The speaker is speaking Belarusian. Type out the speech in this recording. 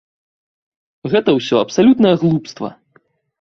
Гэта ўсё абсалютнае глупства!